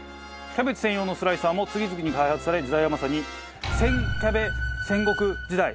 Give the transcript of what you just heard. キャベツ専用のスライサーも次々に開発され時代はまさにせんキャベ戦国時代。